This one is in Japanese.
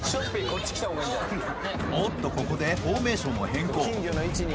おおっとここでフォーメーションを変更